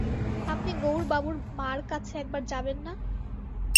আপনি গৌরবাবুর মার কাছে একবার যাবেন না?